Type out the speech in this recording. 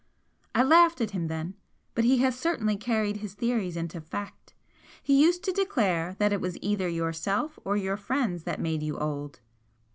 I laughed at him then, but he has certainly carried his theories into fact. He used to declare that it was either yourself or your friends that made you old.